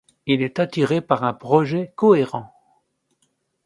Il est attiré par un projet cohérent.